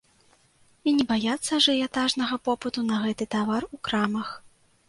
І не баяцца ажыятажнага попыту на гэты тавар у крамах.